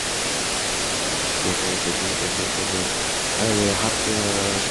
De multiples alternatives ont été proposées dans les discussions internes.